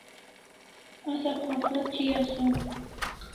Asa kapha thi asaw